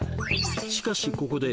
しかしここで